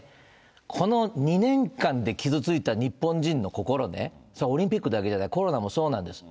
この２年間で傷ついた日本人の心ね、それオリンピックだけじゃない、コロナもそうなんです。